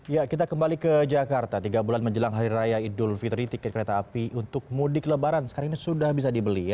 ya kita kembali ke jakarta tiga bulan menjelang hari raya idul fitri tiket kereta api untuk mudik lebaran sekarang ini sudah bisa dibeli